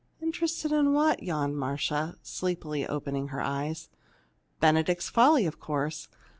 "Interested in what?" yawned Marcia, sleepily, opening her eyes. "'Benedict's Folly,' of course!